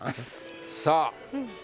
さあ。